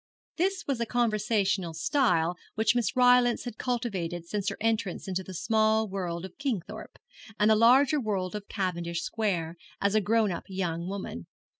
This was a conversational style which Miss Rylance had cultivated since her entrance into the small world of Kingthorpe, and the larger world of Cavendish Square, as a grown up young woman.